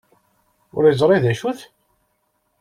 Ur yeẓri d acu-t?